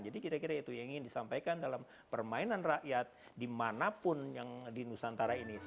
jadi kira kira itu yang ingin disampaikan dalam permainan rakyat di manapun yang di nusantara ini